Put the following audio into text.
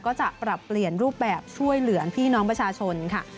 ก็จะปรับเปลี่ยนรูปแบบช่วยเหลือพี่น้องประชาชนค่ะ